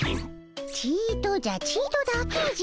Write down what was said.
ちとじゃちとだけじゃ。